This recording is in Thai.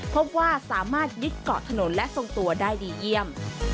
พบว่าสามารถยึดเกาะถนนและทรงตัวได้ดีเยี่ยม